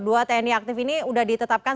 dua tni aktif ini sudah ditetapkan